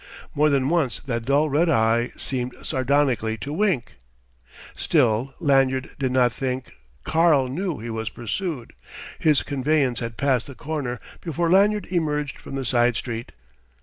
More than once that dull red eye seemed sardonically to wink. Still, Lanyard did not think "Karl" knew he was pursued. His conveyance had passed the corner before Lanyard emerged from the side street.